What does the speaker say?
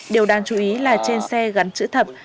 điều đáng chú ý là trên xe gắn chữ thập